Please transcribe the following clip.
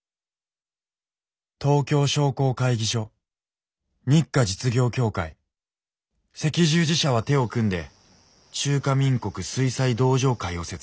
東京商工会議所日華実業協会赤十字社は手を組んで中華民国水災同情会を設立。